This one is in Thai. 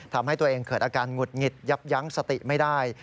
ทำให้ตัวเองเกิดอาการหงุดหงิดยับยั้งสติไม่ได้